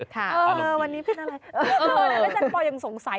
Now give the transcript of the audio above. ตอนนี้เพลงนะพออย่างสงสัย